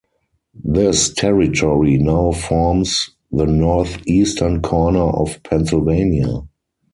This territory now forms the northeastern corner of Pennsylvania.